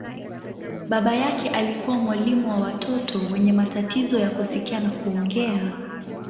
Baba yake alikuwa mwalimu wa watoto wenye matatizo ya kusikia na kuongea.